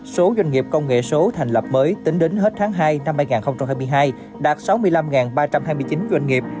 số doanh nghiệp công nghệ số thành lập mới tính đến hết tháng hai năm hai nghìn hai mươi hai đạt sáu mươi năm ba trăm hai mươi chín doanh nghiệp